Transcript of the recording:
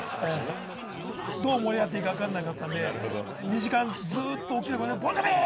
どう盛り上がっていいか、わからなかったんで、２時間ずっと大きな声で「ボン・ジョヴィ！」